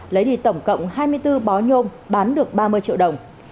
lấy đi tổng cộng hai mươi bốn bó nhôm bán được ba mươi triệu đồng